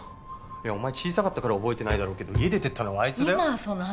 お前小さかったから覚えてないだろうけど家出てったのはあいつだよ今その話？